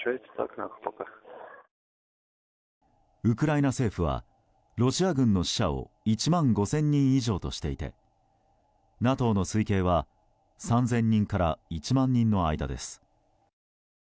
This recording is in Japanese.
ウクライナ政府はロシア軍の死者を１万５０００人以上としていてＮＡＴＯの推計は３０００人から１万人の間です。